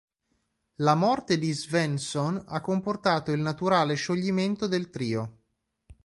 La morte di Svensson ha comportato il naturale scioglimento del trio.